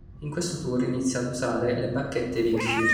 In questo tour inizia ad usare le bacchette Vic Firth.